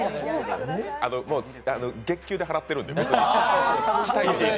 もう月給で払ってるんで。